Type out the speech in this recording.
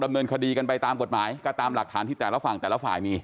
ฝั่งเนี่ยมาเจรจากลายเคลียร์กันก่อน